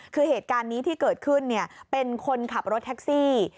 คือเหตุการณ์นี้ที่เกิดขึ้นเป็นคนขับรถแท็กซี่